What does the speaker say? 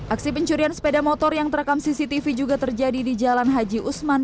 aksi pencurian sepeda motor yang terekam cctv juga terjadi di jalan haji usman